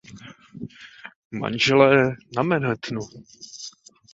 Manželé na Manhattanu.